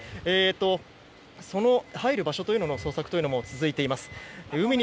その入る場所の捜索というのも続いています。